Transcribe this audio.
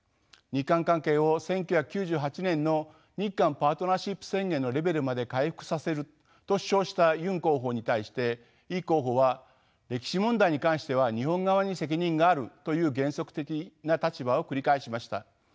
日韓関係を１９９８年の日韓パートナーシップ宣言のレベルまで回復させると主張したユン候補に対してイ候補は歴史問題に関しては日本側に責任があるという原則的な立場を繰り返しました。